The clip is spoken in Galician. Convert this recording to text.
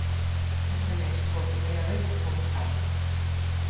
Este mes, por primeira vez, fomos catro.